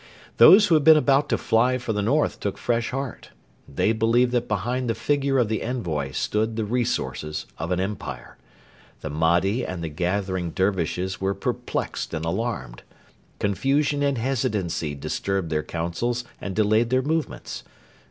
Those who had been about to fly for the north took fresh heart. They believed that behind the figure of the envoy stood the resources of an Empire. The Mahdi and the gathering Dervishes were perplexed and alarmed. Confusion and hesitancy disturbed their councils and delayed their movements.